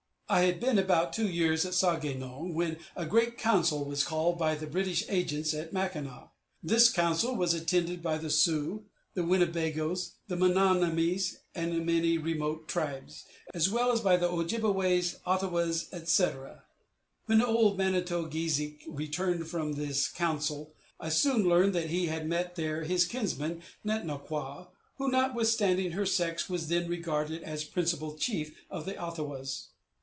I had been about two years at Sau ge nong, when a great council was called by the British agents at Mackinac. This council was attended by the Sioux, the Winnebagoes, the Menomonees, and many remote tribes, as well as by the Ojibbeways, Ottawwaws, etc. When old Manito o geezhik returned from this council, I soon learned that he had met there his kinswoman, Net no kwa, who, notwithstanding her sex, was then regarded as principal chief of the Ottawwaws.